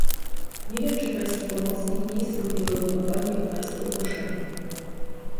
"Nie wiem, czy pański pomocnik nie jest równie godny uwagi jak pańskie ogłoszenie."